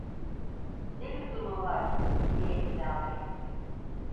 "Ne lüzumu var?" diye ilave etti.